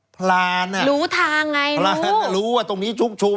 พลานอ่ะรู้ทางไงพลานรู้ว่าตรงนี้ชุกชุม